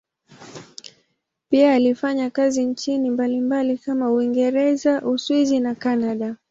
Pia alifanya kazi nchini mbalimbali kama Uingereza, Uswisi na Kanada.